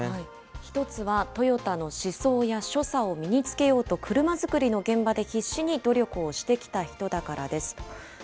１つはトヨタの思想や所作を身に着けようと車作りの現場で必死に努力をしてきた人だからです。